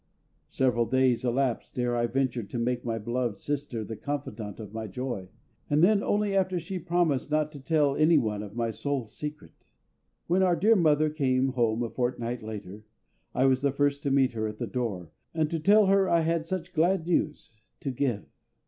Several days elapsed ere I ventured to make my beloved sister the confidante of my joy, and then only after she had promised not to tell any one of my soul secret. When our dear mother came home a fortnight later, I was the first to meet her at the door, and to tell her I had such glad news to give.